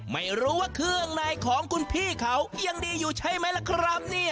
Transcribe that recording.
ไม่รู้ว่าเครื่องในของคุณพี่เขายังดีอยู่ใช่ไหมล่ะครับนี่